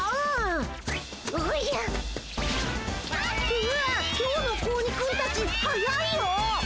うわ今日の子鬼くんたち速いよ。